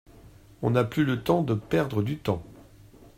On n’a plus le temps de perdre du temps.